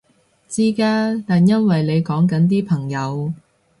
知嘅，但因為你講緊啲朋友